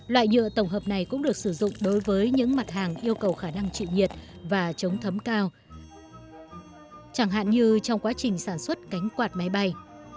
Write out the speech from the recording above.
loại nhựa tổng hợp này cũng được sử dụng đối với những mặt hàng yêu cầu khả năng trị nhiệt và chống thấm cao chẳng hạn như trong quá trình sản xuất cánh quạt máy bay